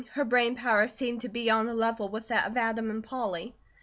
Her brain power seemed to be on a level with that of Adam and Polly.